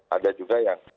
ada juga yang